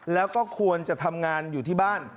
แล้วก็ควรจะทำงานอยู่ที่บ้าน